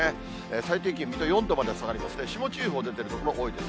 最低気温、水戸４度まで下がりまして、霜注意報出てる所多いです。